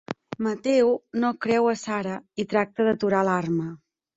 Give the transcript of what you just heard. Mateu no creu a Sara, i tracta d'aturar l'arma.